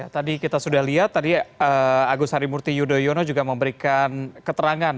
tadi kita sudah lihat tadi agus harimurti yudhoyono juga memberikan keterangan